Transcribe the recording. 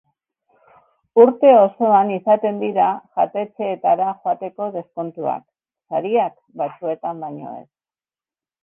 Urte osoan izaten dira jatetxeetara joateko deskontuak; sariak, batzuetan baino ez.